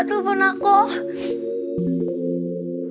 tidak ada film yang sudah selesai